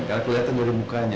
karena aku liatnya gak ada mukanya